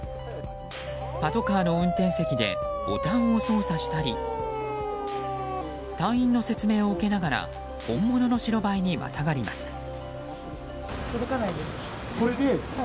パトカーの運転席でボタンを操作したり隊員の説明を受けながら本物の白バイにまたがります。